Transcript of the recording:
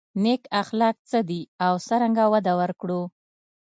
نېک اخلاق څه دي او څرنګه وده ورکړو.